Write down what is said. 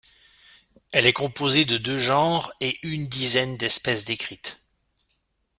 Elle est composée de deux genres et une dizaine d'espèces décrites.